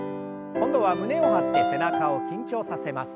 今度は胸を張って背中を緊張させます。